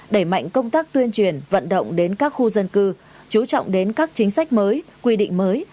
đẩy mạnh công tác tuyên truyền vận động đến các khu dân cư chú trọng đến các chính sách mới quy định mới